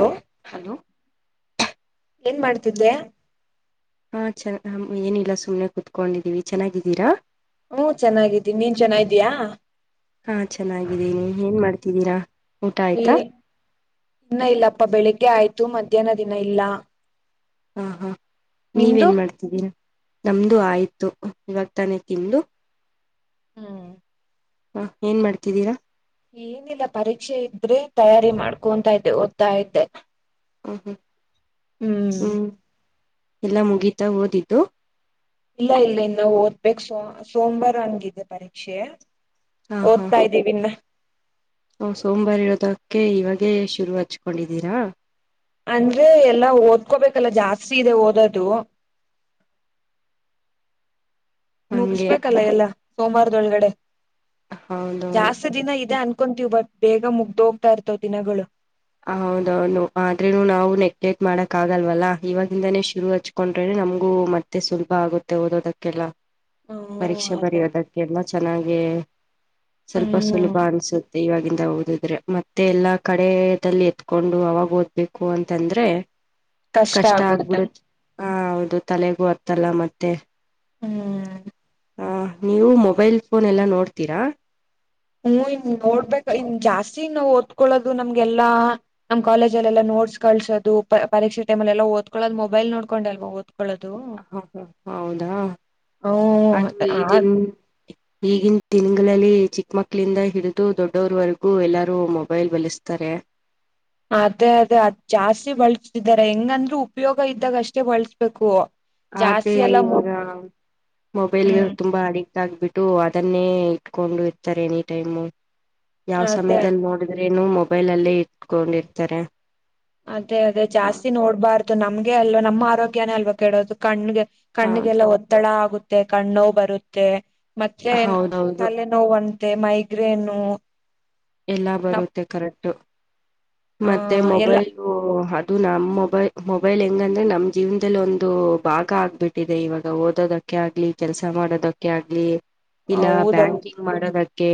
Hello hello ಏನ್ ಮಾಡ್ತಿದ್ದೆ ಹ ಚ ಹ ಏನಿಲ್ಲ ಸುಮ್ಮನೆ ಕುೂತ್ಕೊಂಡಿದ್ದೀವಿ ಚೆನ್ನಾಗಿದ್ದೀರಾ ಹ್ಮ ಚೆನ್ನಾಗಿದ್ದೀನಿ ನೀನ್ ಚೆನ್ನೀಯಾ ತಿದ್ದೀರಾ ಊಟ ಏ ಆಯ್ತಾ ಇನ್ನ ಇಲ್ಲಪ್ಪ ಬೆಳಿಗ್ಗೆ ಆಯ್ತು ಮಧ್ಯಾಹ್ನ ದಿನ ಇಲ್ಲ ಹಾ ಹಾ ನಿಮ್ದು ನೀವೇನ್ ಮಾಡ್ತಿದ್ದೀರ ನಮ್ದು ಆಯ್ತು ಇವತ್ತನೇ ತಿಂದು ಹ್ಮ್ ಹ ಏನ್ ಮಾಡ್ತಿದ್ದೀರಾ ಏನಿಲ್ಲ ಪರೀಕ್ಷೆ ಇದ್ರೆ ತಯಾರಿ ಮಾಡ್ಕೊಂತ ಇದ್ದೆ ಓದ್ತಾಾಯತೆ ಹ ಹ ಹ್ಮ್ ಎಲ್ಲಾ ಮುಗೀತಾ ಓದಿದ್ದು ಇಲ್ಲ ಇಲ್ಲ ಇನ್ನು ಓದ್ಬೇಕು ಸೋ ಸೋಮವಾರ ಹನ್ಗಿದೆ ಪರೀಕ್ಷೆ ಹಾ ಓದ್ತಾ ಇದ್ದೀವಿನ್ನ ಹ ಸೋಮವಾರ ಇರೋದಕ್ಕೆ ಇವಾಗೇ ಶುರು ಹಚ್ಕೊಂಡಿದ್ದೀರಾ ಅಂದ್ರೆ ಎಲ್ಲಾ ಓದ್ಕೋಬೇಕಲ್ಲ ಜಾಸ್ತಿ ಇದೆ ಓದೋದು [unintelligible] ಹಂಗೆ ಮುಗಿಸಬೇಕಲ್ಲ ಎಲ್ಲಾ ಸೋಮವಾರದೊಳಗಡೆ.. ಹೌದೌದು ಜಾಸ್ತಿ ದಿನ ಇದೆ ಅನ್ಕೊಂತೀವಿ ಬಟ್ ಬೇಗ ಮುಗ್ದ ಹೋಗ್ತಾ ಇರ್ತವ ದಿನಗಳು ಹೌದೌದು ಆದ್ರೂ ನಾವು ನೆಗ್ಲೆಕ್ಟ್ ಮಾಡಕ್ ಆಲ್ವಲ್ಲಾ ಇವಾಗಿಂದಾನೇ ಶುರು ಹಚ್ಕೊಂಡ್ರೆ ನಮ್ಗೂ ಮತ್ತೆ ಸುಲಭ ಆಗುತ್ತೆ ಓದೋದಕ್ಕೆಲ್ಲ ಹ್ಮ ಪರೀಕ್ಷೆ ಅದೇ ಬರೆಯೋದಕ್ಕೆಲ್ಲ ಚೆನ್ನಾಗ ಸ್ವಲ್ಪ ಹ್ಮ್ ಸುಲಭ ಅನ್ಸುತ್ತೆ ಇವಾಗಿಂದ ಹಓದಿದ್ರೆ ಮತ್ತೆ ಎಲ್ಲಾ ಕಡೆ ಲ್ಲಿ ಎತ್ಕೊಂಡು ಅವಾಗ ಓದ್ಬೇಕು ಅಂತಂದ್ರೆ ಕಷ್ಟ ಆಗ್ಬಿಡ ಹ ಹೌದು ತಲೆಗೂ ಅರ್ತಲ್ಲ ಮತ್ತೆ ಹ್ಮ್ ಹ ನೀವು ಮೊಬೈಲ್ ಫೋನ್ ಎಲ್ಲ ನೋಡ್ತೀರಾ ಹ್ಮ್ ಇ ನೋಡ್ಬೇಕ ಇ ಜಾಸ್ತಿ ನಾ್ ಓದ್ಕೊಳ್ಳೋದು ನಮ್ಗೆಲ್ಲಾ ನಮ್ ಕಾಲೇಜಲ್ಲೆಲ್ಲಾ ನೋ ನೋಟ್ಸ್ ಕಳಸೋ ಪರಕ್ಷೆ ಟೈಮ ಎಲ್ಲ ಓದ್ಕೊಳ್ಳೋ ಮೊಬೈಲ್ ನೋಡ್ೊಂಡು ಎಲ್ ಓದ್ ಹಾ ಹಾ ಹೌದಾ ಹ್ಮ್ ಅದು ಈ ದನ್ ಈಗಿನ ದಿನಗಳಲ್ಲಿ ಚಿಕ್ಕ ಮಕ್ಳಿಂದ ಹಿಡಿದು ದೊಡ್ಡವರ್ವರೆಗೂ ಎಲ್ಲಾರೂ ಮೊಬೈಲ್ ಬಲಸ್ತಾರೆ ಅದೇ ಅದೇ ಅದ್ ಜಾಸ್ತಿ ಬಳ್ಸ್ತಿದ್ದಾರೆ ಹೆಂಗಂದ್ರೂ ಉಪಯೋಗ ಇದ್ದಾಗ ಅಷ್ಟೇ ಬಳ್ಸ್ಬೇಕು ಆದ್ರೆ ಇವಾಗ ಮೊಬೈಲ್ಗೆ ಹ್ಮ್ ತುಂಬಾ ಅಡಿ ಾಗಬಿಟ್ಟು ಅದನ್ನೇ ಇಟ್ಕೊಂಡು ಇರ್ತಾರೆ ಎನಿ ಟೈಮು ಯಾವ್ ಅದೇ ಸಮಯದಲ್ಲಿ ನೋಡಿದ್ರ ೇನು ಮೊಬೈಲ್ ಅಲ್ಲೇ ಇಟ್ಕೊಂಡಿರ್ತಾರೆ ಅದೇ ಅದೇ ಹ ಜಾಸ್ತಿ ನೋಡ್ಬಾರ್ದು ನಮ್ಗೆ ಅಲ್ವಾ ನಮ್ಮ ಆರೋಗ್ಯನೇ ಅಲ್ವಾ ಕೆಡೋದು ಕಣ್ಣಗೆ ಹೌದು. ಕಣ್ಣಿಗೆಲ್ಲ ಒತ್ತಡ ಆಗುತ್ತೆ ಕಣ್ಣೋ ಬರುತ್ತೆ ಮತ್ತೆ ಹೌದೌದು ತಲೆನೋವಂತೆ ಮೈಗ್ರೇನು ಎಲ್ಲಾ ನಮ್ ಬರುತ್ತೆ ಕರೆಕ್ಟ್ ಆ ಮತ್ತೆ ಎಲ್ಲ ಮೊಬೈಲು ಇದು ನಮ್ಮ್ ಮೊಬೈಲ್ ಮೊಬೈಲ್ ಹೆಂಗಂದ್ರೆ ನಮ್ ಜೀವನದಲ್ಲಿ ಒಂದು ಭಾಗ ಆಗ್ಬಿಟ್ಟಿದೆ ಇವಾಗ ಓದೋದ ಕೆ ಆಗ್ಲಿ ಕೆಲಸ ಮಾಡೋದಕ್ಕೆ ಆಗ್ಲಿ ಇಲ್ಲ ಹೌದೌದು ಬ್ಯಾಂಕಿಂಗ್ ಮಾಡೋದಕ್ಕೆ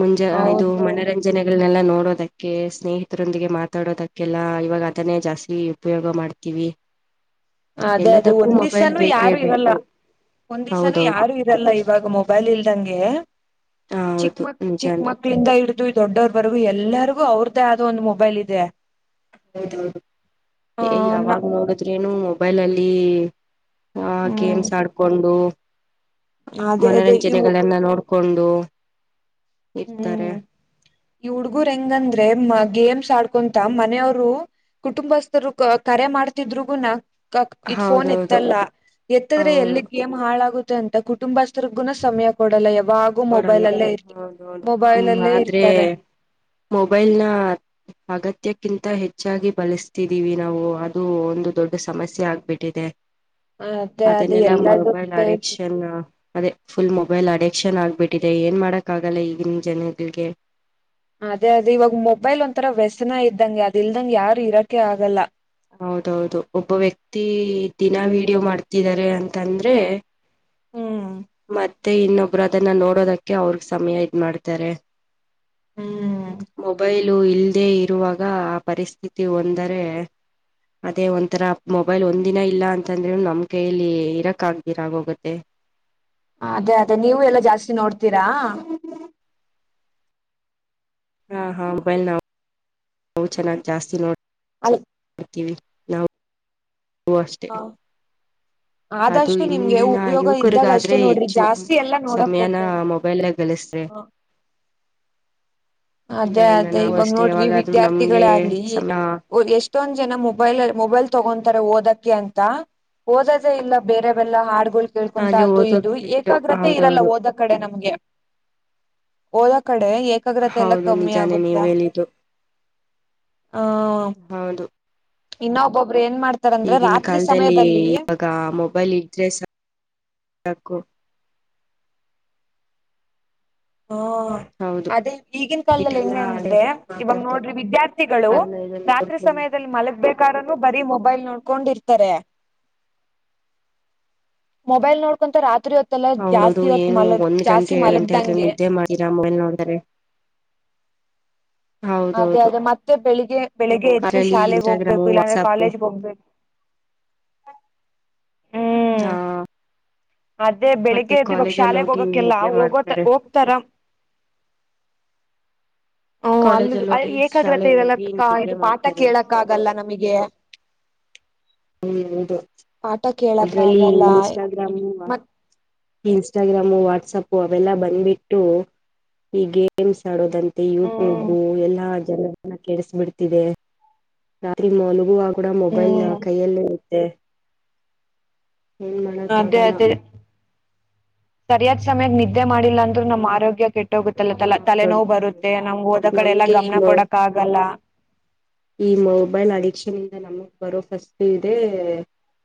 ಮುಂಜಾ ಇದು ಹೌದೌದು ಮನರಂಜನೆ ಲ್ಲ ನೋಡೋದಕ್ಕೆ ಸ್ನೇಹಿತರೊಂದಿಗೆ ಮಾತಾಡೋದಕ್ಕೆಲ್ಲ ಇವಾಗ ಅದನ್ನೇ ಜಾಸ್ತಿ ಉಪಯೋಗ ಮಾಡ್ತೀವಿ ಹ್ [unintelligible] ಅದೇ ಅದೇ ಒಂದ್ ದಿವ್ಸಾನು ಯಾರು ಇರಲ್ಲ ಬೇಕು ಒಂದ್ ದಿವ್ಸಾನೂ ಹೌದೌದು ಯಾರು ಇರಲ್ಲ ಇವಾಗ ಮೊಬೈಲ್ ಇಲ್ದಂಗೆ ಚಿಕ್ಕ ಹೌದು ಮಕ್ ಚಿಕ್ಕ ನಿಜಾನೆ ಮಕ್ಳಿಂದ ಇಡ್ ದೊಡ್ಡವ್ರ ಬರ್ಗು ಎಲ್ಲರಿಗೂ ಅವ್ರ್ದೇ ಆದೋ ಒಂದು ಮೊಬೈಲ್ ಇದೆ ಹೌದೌದು ಆ ಏಯ ನ ಯಾವಾಗ ನೋಡಿದ್ರಿ ನ ಮೊಬೈಲ ಅಲ್ಲಿ ಆ ಹ್ಮ್ ಗೇಮ್ಸ್ ಆಡ್ಕೊಂಡು ಅದೇ ಅದೇ ಇವು ಮನೋರಂಜನೆಗಳೆನ್ನ ನೋಡ್ಕೊಂಡು ಇರ್ತಾರೆ ಹ್ಮ್ ಈ ಹುಡ್ಗುರ್ ಹೆಂಗಂದ್ರೆ ಮ ಗೇಮ್ಸ್ ಆಡ್ಕೊಂತ ಮನೆಯವರು ಕುಟುಂಬಸ್ಥರು ಕರೆ ಮಾಡ್ತಿದ್ರುಗು ನ ಇಟ್ ಫೋನ್ ಹೌದೌದು ಎತ್ತಲ್ಲ ಎತ್ತದ್ರೆ ಹೌದು ಎಲ್ಲಿ ಗೇಮ್ ಹಾಳಾಗ ಅಂತ ಕುಟುಂಬಸ್ಥರಿಗುನ ಸಮಯ ಕೊಡಲ್ಲ ಯಾವಾಗೂ ಕೊಡಲ್ಲ ಮೊಬೈಲ್ ಅಲ್ಲೇ ಇರ್ತ್ತ ಆದ್ರೆ ಮೊಬೈಲ್ ನ ಅಗತ್ಯಕ್ಕೆ ಕಿಂತ ಹೆಚ್ಚಾಗಿ ಬಳಸ್ತಿದೀವಿ ನಾವು ಅದು ಒಂದು ದೊಡ್ಡ ಸಮಸ್ಯೆ ಆಗ್ಬಿಟ್ಟಿದೆ ಅದೇ ಅದೇ ಅದನೆಲ್ಲ ಎಲ್ಲದಕ್ಕೂ ಮೊಬೈಲ್ ಬೇಕು ಅಡಕ್ಷನ್ ಅದೇ ಫುಲ್ ಮೊಬೈಲ್ ಅಡಿಕ್ಷನ್ ಆಗ್ಬಿಟ್ಟಿದೆ ಏನ್ ಮಾಡಕ್ ಆಗಲ್ಲ ಈಗಿನ ಜನಗಳಿಗೆ ಅದೇ ಅದೇ ಇವಾಗ ಮೊಬೈಲ್ ಒಂಂತರ ವ್ಯಸನ ಇದ್ದಂಗಗೆ ಅದ ಇಲ್ದಂಗ ಯಾರು ಇರಕೆ ಆಗಲ್ಲ ಹೌದೌದು ಒಬ್ಬ ವ್ಯಕ್ತಿ ದಿನಾ ವಿೀಡಿಯೋ ಮಾಡ್ತಿದಿದ್ದಾರೆ ಅಂತಂದ್ರೆ ಹ್ಮ್ ಮತ್ತೆ ಇನ್ನೊಬ್ರು ಅದನ್ನ ನೋಡೋದಕ್ಕೆ ಅವ್ರಗ್ ಸಮಯ ಇದ್ ಮಾಡ್ತಾರೆ ಹ್ಮ್ ಮೊಬೈಲು ಇಲ್ಲದೇ ಇ ಇರುವಾಗ ಆ ಪರಿಸ್ಥಿತಿ ಒಂದರೆ.. ಅದೇ ಒಂಥರ ಮೊಬೈಲ್ ಒಂದ ದಿನ ಇಲ್ಲ ಅಂತಂದ್ರರು ನಮ್ ಕೈಲ್ಲಿ ಇರಕ್ ಆಗ್ದಿರ ಆಗೋಗುತ್ತೆ ಅದೇ ಅದೇ ನೀವು ಎಲ್ಲಾ ಜಾಸ್ತಿ ನೋಡ್ತೀರಾ ಹಾ ಹಾ ಮೊಬೈಲ್ ನಾವು ನಾವು ಚೆನ್ನಾಗಿ್ ಜಾಸ್ತಿ ನೋಡ ಅಲ್ ಹ ನಾವು ಹ ಅಷ್ಟೆ ಅದು ಆದಷ್ಟು ನಿಮ್ಗೆ ಇಿಂದಿನ ಉಪಯೋಗ ಇದ್ದಾಗ ಯುವಕರಿಗಾದ್ರೆ ಅಷ್ಟೇ ನೋಡ್ರಿ ಹೆಚ್ಚು ಜಾಸ್ತಿ ಸಮಯಾನ ಮೊಬೈಲ್ಾಗ ಗಳಿಸೆ ಹಾ [unintelligible] ಇಲ್ಲ ಅದೇ ಇಲ್ಲ ಅದೇ ನಾವು ಇವಾಗ ಅಷ್ಟೇ ನೋಡ್ರಿ ಯಾವಾಗಾದ್ರೂ ವಿದ್ಯಾರ್ಥಿಗಳ ನಮ್ಗೆ ಆಗ್ಲಿ ಸಮ ಎಷ್ಟ ಯಷ್ಟು ಜನ ಮೊಬೈಲ್ ಮೊಬೈಲ್ ತಗೊಂತಾರೆ ಓದಕ್ಕೆ ಅಂತ ಓದೇ ಇಲ್ಲ ಬೇರೆವೆಲ್ಲಾ ಹಾ ಕೇಳ್ಕೊಂತ ಆದ್ರೆ ಅದು ಓದೋದ್ ಇದು ಬಿಟ್ಟು ಏಕಾಗ್ರತೆ ಇರಲ್ಲ ಹೌದೌದು ಓದ ಕಡೆ ನಮ್ಗೆ ಹೋದ ಕಡೆ ಏಕಾಗ್ರತೆ ಲ್ಲ ಹೌದು ಕಮ್ಮಿ ನಿಜಾನೇ ಆಗುತ್ತ ನೀವ್ ಹೇಳಿದ್ದು ಹ್ಮ ಹೌದು ಇನ್ನೊ ಒಬ್ಬೊಬ್ಬ ಈಗಿನ ಕಾಲದಲ್ಲಿ ಇವಾಗ ಮೊಬೈಲ್ ಇದ್ರೆ ಸಾಕು ಹ್ಮ ಹೌದು ಅದೇ ಈಗಿನ ಕಾಲದಲ್ಲಿ ಇಟೆಲ್ಲ ಹೆಂಗ ಹಳೆ ಅಂದ್ರೆ ಇವಾಗ ನೋಡ್ರಿ ಮಾತಾಡ್ಕೊಂಡು ವಿದ್ಯಾರ್ಥಿಗಳು ಅದನ್ನ ಇದನ್ನ ರಾತ್ರಿ ನೋಡ್ಕೊಂಡು ಸಮಯದಲ್ಲಿ ಮಲಗ್ಬೇಕಾದೂ ಬರ ಮೊಬೈಲ್ ನೋ ೊಂಡಿರ್ತಾರೆ ಮೊಬೈಲ್ ನೋಡ್ಕೊ ರಾತ್ರಿ ಹೊ ಹೌದು ಏನು ಒಂದ್ ಗಂಟೆ ಏಳು ಗಂಟೆ ಆದ್ರೆ ಮಲಗ್ದಂಗೆ ನಿದ್ದೆ ಮಾಡಿರಾ ಮೊಬೈಲ್ ನೋಡಿದ್ರಾರೆ [unintelligible] ಅದೇ ಅದೇ ಮತ್ತೆ ಬೆಳಿಗ್ ಬೆಳಿಗ್ಗೆ ಎದ್ದು ಅದ್ರಲ್ಲಿ ಶಾಲೆಗ್ ಇನ್ಸ್ಟಾಗ್ರಾಮು ಹೋಗ್ಬೇಕು ಇಲ್ಲಾಂದ್ರೆ ವಾಟ್ಸಪ್ ಕಾಲೇಜ್ಗೆ ಹೋಗ್ಬೇಕು [unintelligible] ಹ್ಮ್ ಹಾ ಅದೇ ಬೆಳಿಗ್ಗೆ್ದವಾಗ ಶಾಲೆೆಗೆ ಹೋಗಿ ಹೋಗಕಲ್ಲ ನಿದ್ದೆ ಹೋಗೋ ಮಾಡ್ತಾರೆ ಹೋಗ್ತಾರ [unintelligible] ಹ್ಮ್ ಅಲ್ಲಿ ಕಾಲೇಜಲ್ಲಿ ಹೋಗಿ ಅಲ್ಲಿ ಏಕಾಗ್ರತೆ ಶಾಲೆಲ್ಲ ಇರಲ್ಲ ಹೋಗಿ ನಿದ್ದೆ ಇದು ಪಾಠ ಮಾಡ್ತಾರೆ ಕೇಳಕ್ ಆಗಲ್ಲ ನಮಗೆ ಹ್ಮ್ ಹೌದು ಪಾಠ ಕೇಳಕ್ ಅದ್ರಲ್ಲಿ ಆಗಲ್ಲ ಇನ್ಸ್ಟಾಗ್ರಾಮ್ ಮತ್ ಇನ್ಸ್ಟಾಗ್ರಾಮು ವಾಟ್ಸಪ್ ಅವೆಲ್ಲ ಬಂದ್ಬಿಟ್ಟು ಈ ಗೇಮ್ಸ್ ಆಡೋದಂತ ಮತ್ತೆ ಯೂಟ್ಯೂಬ್ ಹ್ಮ್ ಎಲ್ಲಾ ಜನನ್ನ ಕೆಡಸ ಬಿಡ್ತಿದೆ ರಾತ್ರಿ ಮಲಗುವಾ ಕೂಡ ಮೊಬೈಲ್ ಹ್ಮ್ ಕೈಯಲ್ಲೇ ಇರುತ್ತೆ ಏನ್ ಅದೇ ಮಾಡಕ್ಕಾಗಲ್ಲ ಅದೇ ಸರಿಯಾದ ಸಮಯಕ್ಕೆ ನಿದ್ದೆ ಮಾಡಿಲ್ಲ ಅಂದ್ರರು ನಮ್ಮ್ ಆರೋಗ್ಯ ಕೆಟ್ಟೋಗುತ್ತೆ ಲ್ಲ ತಲ ಹೌದೌದು ತಲೆನೋವು ಬರುತ್ತೆ ನಮ್ಗೆ ಓದ ಕಡೆ ಎಲ್ಲಾ ನಮ್ಗೆ ಗಮನ ಈ ಕೊಡಕ್ ಆಗಲ್ಲ ಈ ಮೊಬೈಲ್ ಅಡಿಕ್ಷನ್ ಇಂದ ನಮಗ್ ಬರೋ ಫಸ್ಟ್ ಇದೆ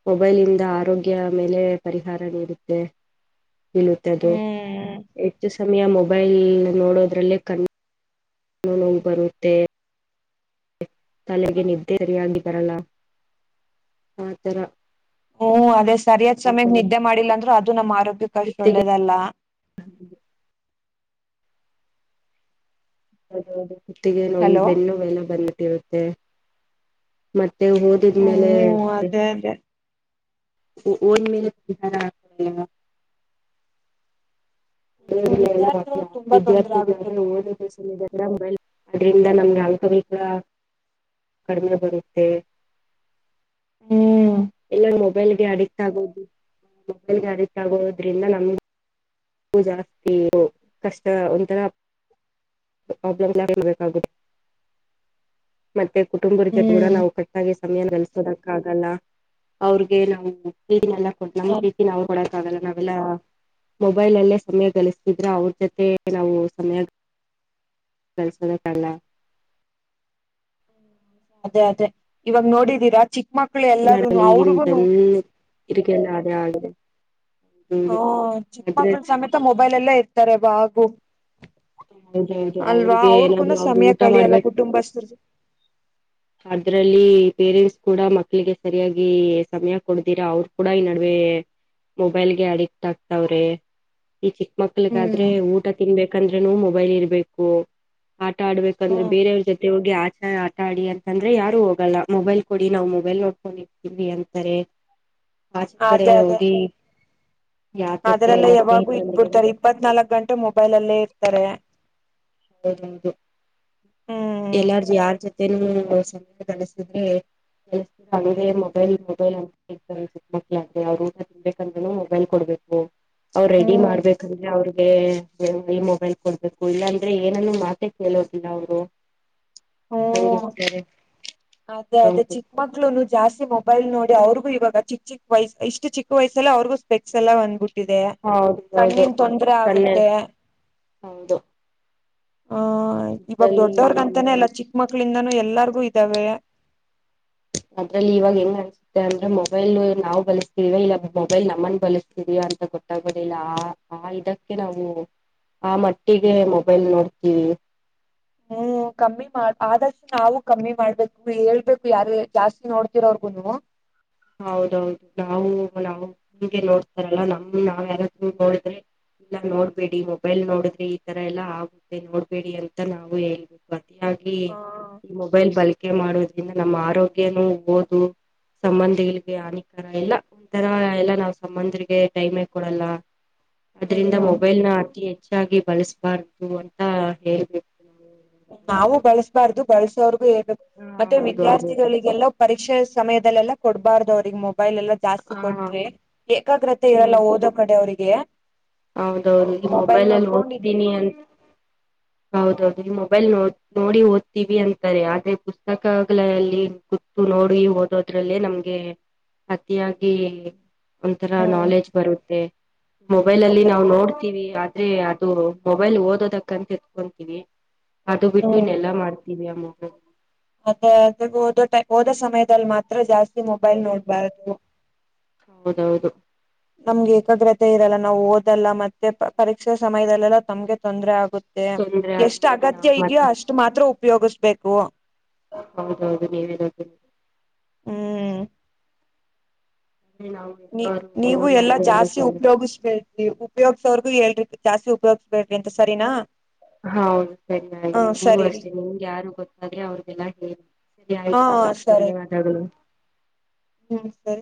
ಮೊಬೈಲ್ಂದ ಆರೋಗ್ಯ ಮೇಲೆ ಪರಿಹಾರ ನೀಡುತ್ತೆ ಬಳದು ಹ್ಮ್ ಹೆಚ್ಚು ಸಮಯ ಮೊಬೈಲ್ ನೋಡೋದ್ರಲ್ಲೇ ಕಣ ಕಣ್ಣ ನೋವು ಬರುತ್ತೆ ತಲೆಗೆ ನಿದ್ದೆ ಸರಿಯಾಗಿಬರಲ್ಲ ಆತರ ಹ್ಮ್ ಅದೇ ಸರಿಯಾದ್ ಸಮಯ ನಿದ್ದೆ ಮಾಡಿಲ್ಲ ಅಂದ್ರರು ಅದು ನಮ್ಮ ಆರೋಗ್ಯಕ್ಕ ಅಷ್ಟ ಕುತ್ತಿಗೆ ಒಳ್ಳೇದಲ್ಲ ಅ ಕುತ್ತಿಗೆ ನಮ ಹಲೋ ಬೆನ್ನು ಎಲ್ಲ ಬಂದ್ಬಿಟ್ಟಿರುತ್ತೆ ಮತ್ತೆ ಮತ್ತೆ ಹಓದಿದ್ಮೇಲೆ ಹ್ಮ್ ಅದೇ ಅದೇ ನ್ ಮೇಲೆ ಬಾರ [unintelligible] ಹ್ಮ್ ಎಲ್ಲ ಬ ವಿದ್ಯಾರ್ಥಿಗಳಿಗೆ ತುಂಬಾ ತೊಂದರೆ ಆಗುತ್ತೆ ಬಿಡ್ರಿ ವಿದ್ಯಾರ್ಥಿಗಳು್ರೆ ಅದರಿಂದ ನಮ್ಗೆ ಆಳ್ಕೊಬೇಕ [unintelligible] ಕಡಿಮೆ ಬರುತ್ತೆ ಹ್ಮ್ ಎಲ್ಲರೂ ಮೊಬೈಲ್ಗೆ ಅಡಿಕ್ಟ್ ಆಗೋದು ಮೊಬೈಲ್ಗೆ ಅಡಿಕ್ಟ್ ಆಗೋದ್ರಿಂದ ನಮ್ಗೆ ಹ ಜಾಸ್ತಿ ಕಷ್ಟ ಒಂಥರ ಪ್ರಾಬ್ಲಮ್ ಮತ್ತೆ [unintelligible] ಕುಟುಂಬಕ್ಕೆ ಕೂಡ ಹ್ಮ್ ನಾವು ಕಟ್ಟಾಗಿ ಸಮಯ ದಕ್ಕ ಆಗಲ್ಲ ಅವ್ರಗೆ ನಾವು ಕೊ ನಮ್ ಪ್ರೀತಿ ನಾವು ಕೊಡಕ್ ಲ್ಲ ನಾವೆಲ್ಲ ಮೊಬೈಲಲ್ಲೇ ಸಮಯ ಗಳಿಸ್ತಿದ್ರೆ ಅವ್ರ ಜೊತೆ ನಾವು ಸಮಯ ಕೆಲಸದಕ್ಕಲ್ಲ ಅದೇ ಅದೇ ಇವಾಗ ನೋಡಿದೀರಾ ಚಿಕ್ ಮೇಡಮ್ ಈಗಿನ ಜನ್ ಇಕಲ್ಲ ಅದೆ ಆಗಿದೆ. ಹ ಹ್ಮ ಆದ್ರೆ ಚಿಕ್ಕಮಗ್ಳ ಸಮೇತ ಮೊಬೈಲ್ ಎಲ್ಲೇ ಇರ್ತಾರೆ ಯವಾಗು. ಹೌದೌದು ಅಲ್ವಾ ಅವ್ರಿಗೆ ಅವ್ರಗುನ ಏನಾದ್ರು ಅವ್ರು ಸಮಯ ಊಟ ಕಳಿಯಲ್ಲ ಮಾಡ್ಬೇಕ ಕುಟುಂಬಸ್ಥರು. ಅದ್ರಲ್ಲಿ ಪೇರೆಂಟ್ಸ್ ಕೂಡ ಮಕ್ಳಿಗೆ ಸರಿಯಾಗಿ ಸಮಯ ಕೊಡದಿರಾ ಅವರು ಕೂಡ ಈ ನಡುವೆ. ಮೊಬೈಲ್ಗೆ ಅಡಿಕ್ಟ್ ಆಗ್ತಾವ್ರೆ ಈ ಚಿಕ್ಕ ಹ್ಮ್ ಮಕ್ಳಗಾದ್ರೆ ಊಟ ತಿನ್ಬೇಕ್ ಬಂದ್ರೆನು ಮೊಬೈಲ್ ಇರಬೇಕು ಆಟ ಆಡ್ಬೇಕಂದ್ರೆ ಹ್ಮ್ ಬೇರೆಯವ್ರ ಜೊತೆ ಹೋಗಿ ಆಚಾ ಆಟ ಆಡಿ ಅ. ಅಂದ್ರೆ ಯಾರು ಹೋಗಲ್ಲ ಮೊಬೈಲ್ ಕೊಡಿ ನಾವ್ ಮೊಬೈಲ್ ನೋಡ್ಕೊಂಡ ಇರ್ತೀವಿ ಅಂತಾರೆ. ಆಚೆ ಕಡೆ ಹೋಗಿ. ಯಾರ್ ಜೊತೆ ಅದ್ರೆಲ್ಲ ಎಲ್ಲ ಯಾವಾಗ ಸ್ನೇಹಿತರೊಂದಿಗೆಲ್ಲ ಇಟ್ಬಿಡ್ತಾರೆ ಇಪ್ಪತ್ ನಾಲ್ಕಕ್ ಗಂಟೆ ಮೊಬೈಲ್ ಅಲ್ಲೇ ಇರ್ತಾರೆ. ಹೌದೌದು ಹ್ಮ್ ಎಲ್ಲಾರ್ಜು ಯಾರ್ ಜತೆ ತೇನು ಸಮಯ ಕಾಣಸಿದ್ರೆ. ಕೆಸ ಹಂಗಗೆ ಮೊಬೈಲ್ ಮೊಬೈಲ್ ಅಂತೇತಾರೆ ಸಿಕ್ಕ ಮಕ್ಳೆ ಅವ್ರು ಊಟ ತಿನ್ಬೇಕಂದ್ರೂ ಮೊಬೈಲ್ ಕೊಡ್ಬೇಕು. ಅವ ರೆಡಿ ಹ್ಮ್ ಮಾಡ್ಬೇಕಂದ್ರೆ ಅವ್ರಿಗೆ ಈ ಮೊಬೈಲ್ ಕೊಡ್ಬೇಕು ಇಲ್ಲಂ ಆದ್ರೆ ಏನನ್ನು ಮಾತೆ ಕೇಳೋದಿಲ್ಲ ಅವರು. ಹ್ಮ ಹಂಗಿರ್ತಾರೆ ಅದೇ ಅದೇ ಹೌದು ಚಿಕ್ಕ ಮಕ್ಳೂನು ಜಾಸ್ತಿ ಮೊಬೈಲ್ ನೋಡಿ. ಅವ್ರಿಗು ಇವ ಚಿ ಚಿಕ್ ವಯಸ್ ಇಷ್ಟ ಚಿಕ್ ವಯಸ್ಸಲ್ಲ ಅವ್ರಗೂ ಸ್ಪೆಕ್ಸ್ ಎಲ್ಲಾ ಬಂದ್ ಬಿ ಬಿಟ್ಟಿದೆ ಹೌದು ಹೌದು ಕಣ್ಣಿನ ತೊಂದರೆ ಕಣ್ಣೆ ಆಗುತ್ತೆ. ಹೌದು ಹ ಇವಾಗ ಇದ್ರಲ್ಲಿ ದೊಡ್ಡವರ್ಗಂತಾನೇ ಎಲ್ಲ ಚಿಕ್ಕ ಮಕ್ಳಿಂದನೂ ಎಲ್ಲಾರ್ಗೂ ಇದ್ದಾವೆ. ಅದ್ರಲ್ಲಿ ಇವಾಗ ಹೆಂಗ್ ಅನ್ಸುತ್ತೆ ಅಂದ್ರೆ ಮೊಬೈಲ್ ನಾವು ಬಳಸ್ತಿದೀವ ಇಲ್ಲ ಮೊಬೈಲ್ ನಮ್ಮನ್ ಬಳಸ್ತಿದ್ಯ. ಇದಾ ಅಂತ ಗೊತ್ತಾಗೊದಿಲ್ಲ ಆ ಆ ಇದಕ್ಕೆ ನಾವು. ಆ ಮಟ್ಟಿಗೆ ಮೊಬೈಲ್ ನೋಡ್ತೀವಿ. ಹ್ಮ್ ಕಮ್ಮಿ ಮಾಡ ಆದಷ್ಟು ನಾವು ಕಮ್ಮಿ ಮಾಡ್ಬೇಕು ಹೇಳ್ಬೇಕು ಯಾರು ಜಾಸ್ತಿ ನೋಡ್ತಿರೋವ್ರಗುನು. ಹೌದೌದು ನಾವು ನಾವು ಹಂಗೆ ನೋಡ್ತಾರಲ್ಲ ನಮ್ ನಾವ್ ಯಾರದ್ರು ನೋಡಿದ್ರೆ. ಇಲ್ಲ ನೋಡ್ಬೇಡಿ ಮೊಬೈಲ್ ನೋಡಿದ್ರೆ ಈ ತರ ಎಲ್ಲಾ ಆಗುತ್ತೆ ನೋಡ್ಬೇಡಿ ಅಂತ ನಾವು ಹೇಳ್ಬೇಕು. ಹಾಗಿ ಈ ಮೊಬೈಲ್ ಬಲ್ಕೆ ಮಾಡೋದು. ಯಿಂದ ನಮ್ಮ ಆರೋಗ್ಯನೂ ಓದು ಸಂಬಂ ಆರೊಗ್ಯಗೆ ಹಾನಿಕರ ಎಲ್ಲ ಒಂಥರ ಎಲ್ಲಾ ನಾವ್ ಸಂಬಂಧರಿಗೆ ಟೈಮೇ ಕೊಡಲ್ಲ. ಅ್ರಿಂದ ಹ್ಮ್ ಮೊಬೈಲ್ನ ಅತಿ ಹೆಚ್ಚಾಗಿ ಬಳಸಬಾರ್ದು ಅಂತ ಹೇಳ್ಬೇಕು. ನಾವು ನಾವು ಬಳಸ್ಬಾರ್ದು ಬಳಸೋರ್ಗೂ ಹೇಳ್ಬೇಕು ಹಾ ಮತ್ತೆ ಹೌದು ಅದು ವಿದ್ಯಾರ್ಥಿಗಳಿಗೆಲ್ಲ ಪರೀಕ್ಷೆ. ಸಮಯದಲ್ಲ ಕೊಡಬಾರ್ದು ಅವ್ರಿಗೆ ಮೊಬ ಮೊಬೈಲ್ ಎಲ್ಲಾ ಜಾಸ್ತಿ ಹ ಕೊಟ್ರಿ ಏಕಾಗ್ರತೆ ಇರಲ್ಲ ಹ್ಮ್ ಓದೋ ಕಡೆ ಅವರಿಗೆ. ಹೌದೌದು ಈ ಮೊಬೈಲ್ ಅಲ್ಲಿ ಓದ್ತೀನಿ ಅಂತ ಹೌದೌದು. ಮೊಬೈಲ್ ನೋ ನೋಡಿ ಓದ್ತೀವಿ ಅಂತಾರೆ ಆದ್ರೆ ಪುಸ್ತಕಗಳಲ್ಲಿ ಗುತ್ತು ನೋಡಿ. ಓದೋದ್ರಲ್ಲೇ ನಮ್ಗೆ ಅತಿಯಾಗಿ ಒಂಥರ ಹ್ಮ್ ನಾಲೆಜ್ ಬರುತ್ತೆ. ಮೊಬೈಲ್ಲಲ್ಲಿ ಅದೇ ನಾವು ನೋಡ್ತೀವಿ ಆದ್ರೆ ಅದು ಮೊಬೈಲ್ ಓದೋದಕ್ಕಂತ ಎತ್ಕೊಂತೀವಿ. ಅದು ಬಿಟ್ಟು ಹ್ಮ್ ಇನ್ನೆಲ್ಲಾ ಮಾಡ್ತೀವಿ ಆ ಮೋಬೈಲ್ ಅದ ಓದೋ ಓದೋ ಸಮಯದಲ್ಲಿ ಮಾತ್ರ ಜಾಸ್ತಿ ಮೊಬೈಲ್ ನೋಡ್ಬಾರ್ದು. ಹೌದೌದು ಮ ಇರಲ್ಲ ನಾವು ಓದಲ್ಲ ಮತ್ತೆ ಪರೀಕ್ಷೆ ಸಮಯದಲ್ಲೆಲ್ಲ ತಮ್ಗೆ ತೊಂದರೆ ಆಗುತ್ತೆ. ತೊಂದ್ರೆ ಮ ಎಷ್ಟು ಆಗುತ್ತೆ ನಾವು ಅಗತ್ಯ ಇದ್ಯೋ ಮತ್ತೆ ಅಷ್ಟು ಮಾತ್ರ ಉಪಯೋಗಿಸ್ಬೇಕು. ಹೌದೌದು ನೀವೆಳಿದ್ದು. ಹ್ಮ್ ಅಂದ್ರೆ ನಾವು ನೀ ಎಲ್ಲರೂ ನೀವು ಹೇಳೋ ಎಲ್ಲಾ ಮಾತು ಯಾರು ಜಾಸ್ತಿ ಕೇಳ ಉಪಯೋಗಿಸ್ಬೇರಿ ಉಪಯೋಗ್ಸೋರ್ಗು ಹೇಳಿ. ಜಾಸ್ತಿ ಉಪಯೋಗ್ಬೇಡ್ರಿ ಅಂತ ಸರಿನಾ. ಹೌದು ಚನ್ನ ಹ ಆಯ್ತು ನೀವ ಸರಿ ರೀ ಅಷ್ಟೇ ನಿಮ್ಗೆ ಯಾರು ಗೊತ್ತಾದ್ರೆ ಅವ್ರಿಗೆಲ್ಲ ಹೇಳಿ. ಸರಿ ಹ ಆಯ್ತು ಸರಿ ಧನ್ಯವಾದಗಳು. ಹ್ಮ್ ಸರಿ.